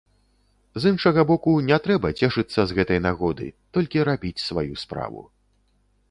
З іншага боку, не трэба цешыцца з гэтай нагоды, толькі рабіць сваю справу.